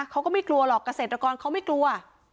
เขาก็ไม่กลัวหรอกเกษตรกรเขาไม่กลัว